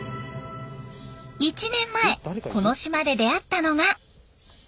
１年前この島で出会ったのが。